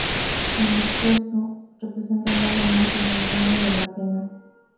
El "scherzo" representa un lado más iluminado de la pena.